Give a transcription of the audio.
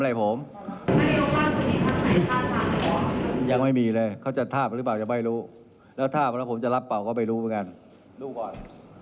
แล้วทุกราชบาลเค้าจะทำแบบนี้ไหม